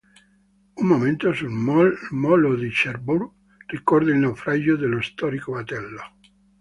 Un monumento, sul molo di Cherbourg, ricorda il naufragio dello storico battello.